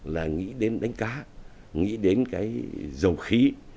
là nghĩ đến đánh cá nghĩ đến cái dầu khí